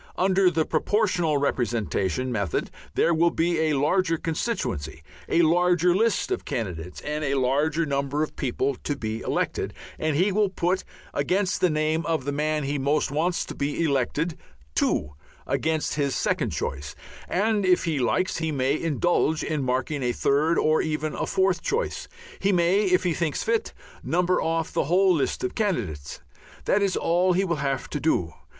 Under the Proportional Representation method there will be a larger constituency, a larger list of candidates, and a larger number of people to be elected, and he will put I against the name of the man he most wants to be elected, 2 against his second choice, and if he likes he may indulge in marking a third, or even a further choice. He may, if he thinks fit, number off the whole list of candidates. That is all he will have to do.